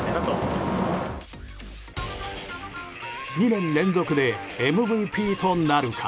２年連続でＭＶＰとなるか。